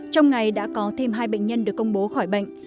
trong ngày đã có thêm hai bệnh nhân được công bố khỏi bệnh